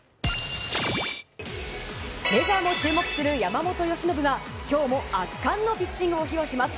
メジャーも注目する山本由伸が今日も圧巻のピッチングを披露します。